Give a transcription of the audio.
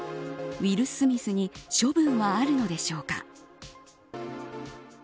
ウィル・スミスに処分はあるのでしょうか。